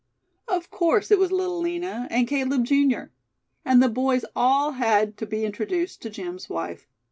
Of course it was Little Lina, and Caleb Jr.; and the boys all had to be introduced to Jim's wife.